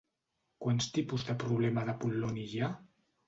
Quants tipus de problema d'Apol·loni hi ha?